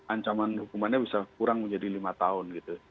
ancaman hukumannya bisa kurang menjadi lima tahun gitu